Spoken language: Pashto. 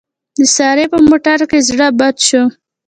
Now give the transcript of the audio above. د سارې په موټر کې زړه بد شو.